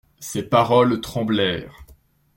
Ces paroles tremblèrent.